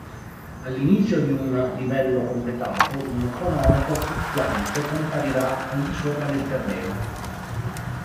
All'inizio di un livello completato, un cronometro fluttuante comparirà al di sopra del terreno.